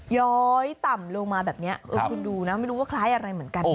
ย้อยต่ำลงมาแบบนี้คุณดูนะไม่รู้ว่าคล้ายอะไรเหมือนกันนะ